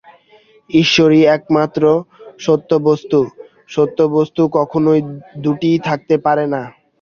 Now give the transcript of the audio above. ঈশ্বরই একমাত্র সত্যবস্তু, সত্যবস্তু কখনও দুটি থাকতে পারে না।